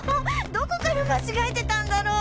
どこから間違えてたんだろ？